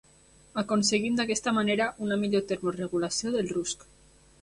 Aconseguint d'aquesta manera una millor termoregulació del rusc.